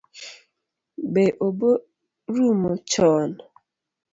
Be obo rumo chon?